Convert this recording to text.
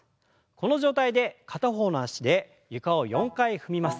この状態で片方の脚で床を４回踏みます。